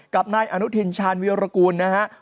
กับนายอนุทินชาญวิรากูลนะฮะ